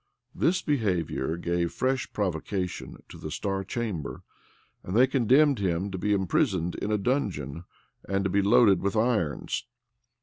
This behavior gave fresh provocation to the star chamber; and they condemned him to be imprisoned in a dungeon, and to be loaded with irons.